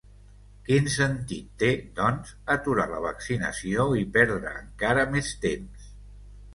Quin sentit té, doncs, aturar la vaccinació i perdre encara més temps?